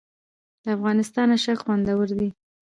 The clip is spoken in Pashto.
د افغانستان اشک خوندور دي